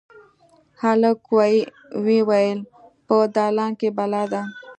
هلک ویې ویل: «په دالان کې بلا ده.»